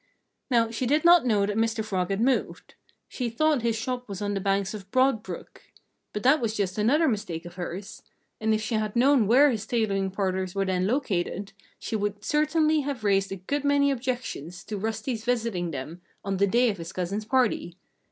Now, she did not know that Mr. Frog had moved. She thought his shop was on the banks of Broad Brook. But that was just another mistake of hers. And if she had known where his tailoring parlors were then located, she would certainly have raised a good many objections to Rusty's visiting them on the day of his cousin's party.